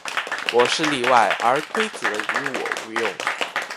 我是例外，而规则于我无用。